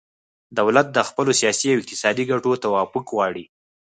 دولت د خپلو سیاسي او اقتصادي ګټو توافق غواړي